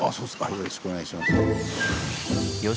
よろしくお願いします。